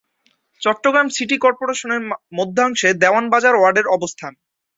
Chittagong city কর্পোরেশনের মধ্যাংশে দেওয়ান বাজার ওয়ার্ডের অবস্থান।